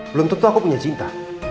belum tentu aku punya cinta